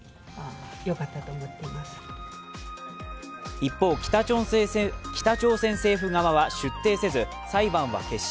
一方、北朝鮮政府側は出廷せず、裁判は結審。